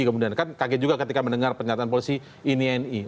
kemudian kan kaget juga ketika mendengar pernyataan polisi ini ni